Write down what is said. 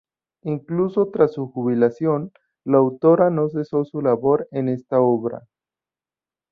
Incluso tras su jubilación, la autora no cesó su labor en esta obra.